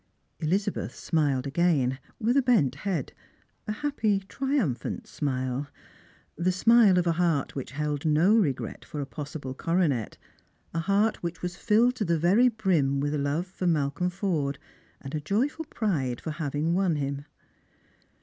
Elizabeth smiled again, with bent head, a happy triumphant smile. The smile of a heart which held no regret for a possible coronet; a heart which was filled to the very brim with love for Malcolm Forde, and joyful pride for having won him.